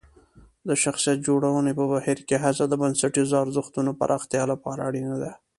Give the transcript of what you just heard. د شخصیت جوړونې په بهیر کې هڅه د بنسټیزو ارزښتونو پراختیا لپاره اړینه ده.